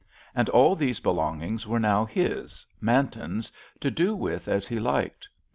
And all these belongings were now his, Manton's, to do with as he liked.